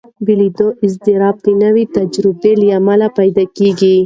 بېلېدو اضطراب د نوې تجربې له امله پیدا کېږي.